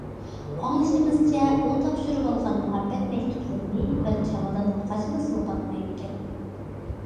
ئاڭلىشىمىزچە ئۇ تاپشۇرۇۋالغان مۇھەببەت مەكتۇپلىرىنى بىر چامادانغا قاچىلىسىمۇ پاتمايدىكەن.